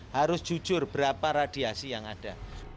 harus jujur berapa radiasi yang ada